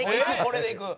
これでいく！